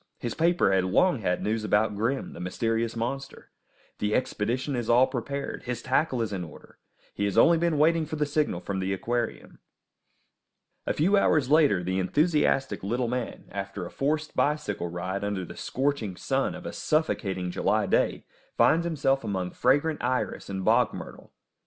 His paper has long had news about Grim, the mysterious monster. The expedition is all prepared, his tackle is in order; he has only been waiting for the signal from the aquarium. A few hours later the enthusiastic little man, after a forced bicycle ride under the scorching sun of a suffocating July day, finds himself among fragrant iris and bog myrtle.